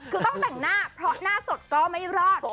คือต้องแต่งหน้าเพราะหน้าสดก็ไม่รอด